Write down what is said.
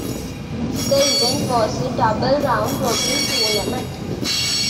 The event was a double round-robin tournament.